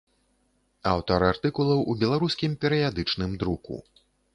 Аўтар артыкулаў у беларускім перыядычным друку.